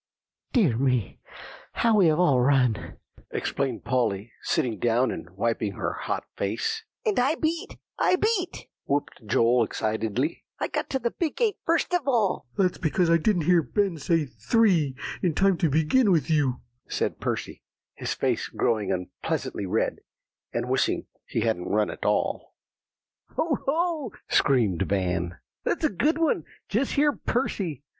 "Dear me, how we have all run!" exclaimed Polly, sitting down and wiping her hot face. "And I beat, I beat!" whooped Joel excitedly. "I got to the big gate first of all." "That's because I didn't hear Ben say 'three' in time to begin with you," said Percy, his face growing unpleasantly red, and wishing he hadn't run at all. "Ho, ho!" screamed Van, "that's a good one; just hear Percy.